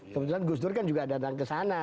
kebetulan gus dur kan juga datang ke sana